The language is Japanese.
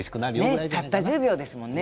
たった１０秒ですもんね。